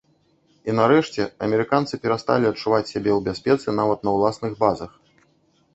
І нарэшце, амерыканцы перасталі адчуваць сябе ў бяспецы нават на ўласных базах.